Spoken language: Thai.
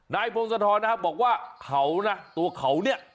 พงศธรนะครับบอกว่าเขานะตัวเขาเนี่ย